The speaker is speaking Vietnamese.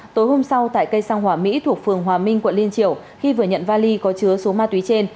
tối hôm sau tại cây xăng hòa mỹ thuộc phường hòa minh quận liên triều khi vừa nhận vali có chứa số ma túy trên